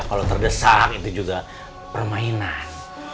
kalau terdesak itu juga permainan